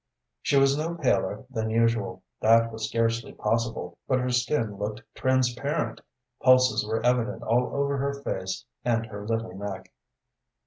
She was no paler than usual that was scarcely possible but her skin looked transparent, pulses were evident all over her face and her little neck.